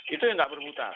itu yang enggak bermutar